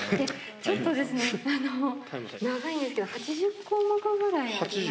ちょっとですね、長いんですけど、８０、すごいな。